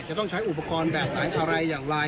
จะต้องใช้อุปกรณ์แบบไหนอะไรอย่างไร